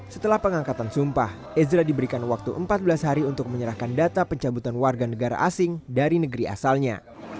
setelah pengangkatan sumpah ezra diberikan waktu empat belas hari untuk menyerahkan data pencabutan warga negara asing dari negeri asalnya